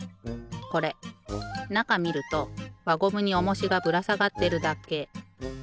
これなかみるとわゴムにおもしがぶらさがってるだけ。